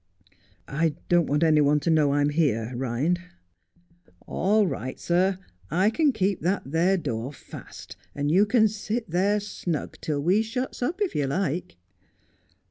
' I don't want any one to know I'm here, Ehind.' ' All right, sir. I can keep that there door fast, and you can sit there snug till we shuts up, if you like.'